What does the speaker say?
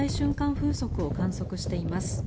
風速を観測しています。